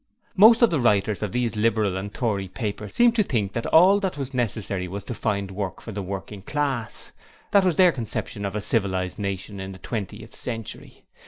Most of the writers of these Liberal and Tory papers seemed to think that all that was necessary was to find 'Work' for the 'working' class! That was their conception of a civilized nation in the twentieth century!